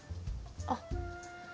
あっ。